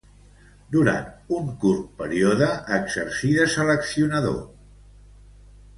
Durant un curt període exercí de seleccionador espanyol.